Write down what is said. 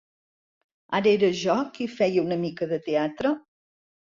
Ara era jo qui feia una mica de teatre?